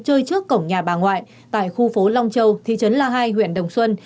chơi trước cổng nhà bà ngoại tại khu phố long châu thị trấn la hai huyện đồng xuân